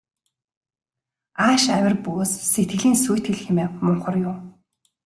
Ааш авир бөгөөс сэтгэлийн сүйтгэл хэмээн мунхар юу.